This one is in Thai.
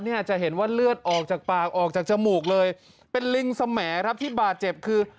เนี่ยจะเห็นว่าเลือดออกจากปากออกจากจมูกเลยเป็นลิงสมแหครับที่บาดเจ็บคือ